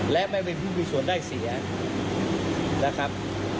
และไม่มีผู้มีส่วนได้เสียนะครับ